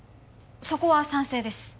そこは賛成です